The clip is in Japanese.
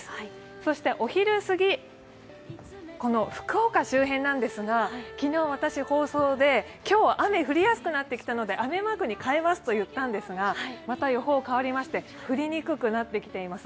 そしてお昼すぎ、この福岡周辺なんですが昨日、放送で今日、雨が降りやすくなってきたので雨マークに変えますと言ったんですがまた予報が変わりまして、降りにくくなってきています。